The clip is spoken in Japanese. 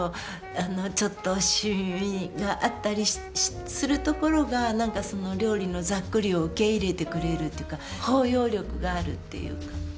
あのちょっと染みがあったりするところが何かその料理のざっくりを受け入れてくれるっていうか包容力があるっていうか。